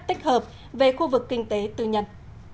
tích hợp về khu vực kinh tế tư nhân